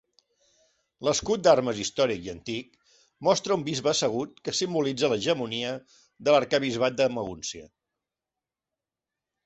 L'escut d'armes històric i antic mostra un bisbe assegut que simbolitza l'hegemonia de l'Arquebisbat de Magúncia.